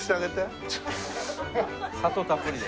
砂糖たっぷりで。